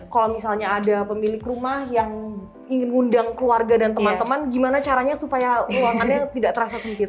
kalau misalnya ada pemilik rumah yang ingin ngundang keluarga dan teman teman gimana caranya supaya ruangannya tidak terasa sempit